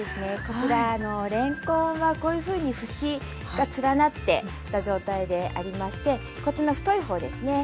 こちられんこんはこういうふうに節が連なってた状態でありましてこっちの太い方ですね